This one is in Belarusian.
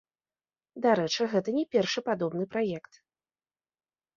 Дарэчы, гэта не першы падобны праект.